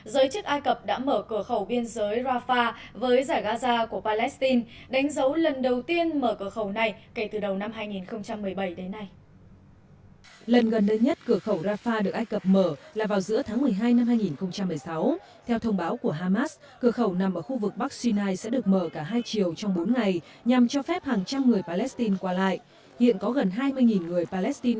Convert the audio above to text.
giới chức ai cập đã mở cửa khẩu biên giới rafah với giải gaza của palestine